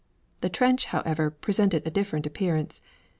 The trench, however, presented a different appearance.